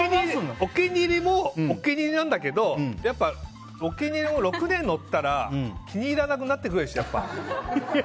お気に入りもお気に入りなんだけどやっぱりお気に入りも６年乗ったら気に入らなくなってくるでしょやっぱ。